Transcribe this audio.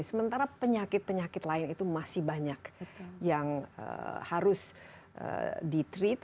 sementara penyakit penyakit lain itu masih banyak yang harus di treat